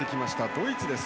ドイツです。